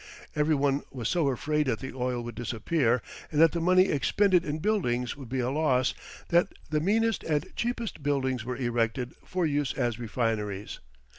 Everyone was so afraid that the oil would disappear and that the money expended in buildings would be a loss that the meanest and cheapest buildings were erected for use as refineries.